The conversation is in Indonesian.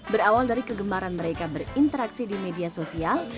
berawal dari kegemaran mereka berinteraksi di media sosial